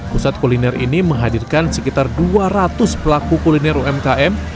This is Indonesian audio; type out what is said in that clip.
pusat kuliner ini menghadirkan sekitar dua ratus pelaku kuliner umkm